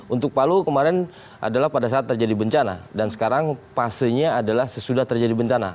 untuk palu kemarin adalah pada saat terjadi bencana dan sekarang fasenya adalah sesudah terjadi bencana